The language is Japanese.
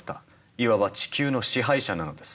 いわば地球の支配者なのです。